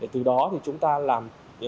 từ đó thì chúng ta làm